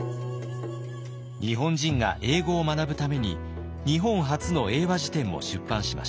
日本人が英語を学ぶために日本初の英和辞典も出版しました。